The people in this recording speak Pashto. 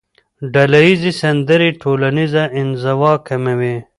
ډلهییزې سندرې ټولنیزه انزوا کموي.